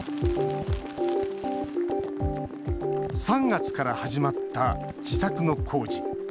３月から始まった自宅の工事。